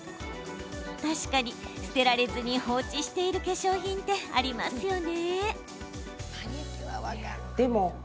確かに、捨てられずに放置している化粧品ってありますよね。